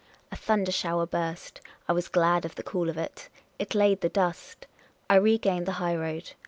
A thunder shower burst ; I was glad of the cool of it. It laid the dust. I regained the highroad.